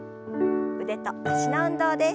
腕と脚の運動です。